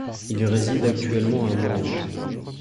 Il réside actuellement à Morges.